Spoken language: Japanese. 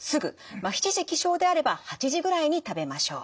７時起床であれば８時ぐらいに食べましょう。